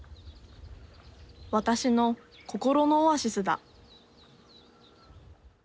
私の心のオアシスだ